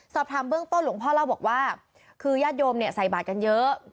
สอบถามเบื้องต้นหลวงพ่อเล่าบอกว่าคือญาติโยมเนี่ยใส่บาทกันเยอะ